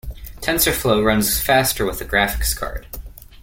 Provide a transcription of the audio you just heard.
Tensorflow runs faster with a graphics card.